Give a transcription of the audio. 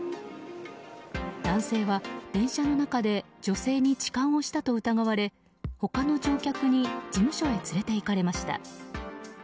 男性は電車の中で女性に痴漢をしたと疑われ他の乗客に事務所へ連れていかれました。